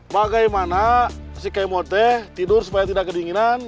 bagaimana si kemote tidur supaya tidak kedinginan